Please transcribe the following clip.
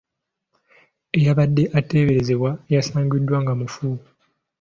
Eyabadde ateeberezebwa yasangiddwa nga mufu.